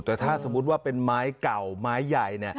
แต่ถ้าสมมุติว่าเป็นไม้เก่าไม้ใหญ่